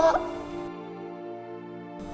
ya aku mau